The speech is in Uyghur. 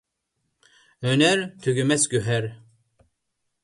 ھۆنەر – تۈگىمەس گۆھەر.